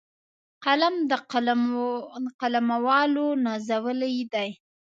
قلم د قلموالو نازولی دی